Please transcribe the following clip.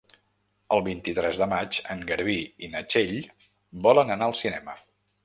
El vint-i-tres de maig en Garbí i na Txell volen anar al cinema.